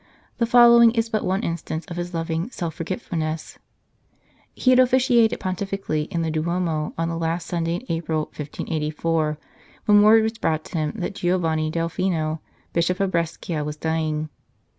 The follow ing is but one instance of his loving self forgetful ness : He had officiated pontifically in the Duomo on the last Sunday in April, 1584, when word was brought him that Giovanni Delfino, Bishop of Brescia, was dying.